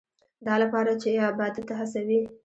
دا لپاره چې عبادت ته هڅوي.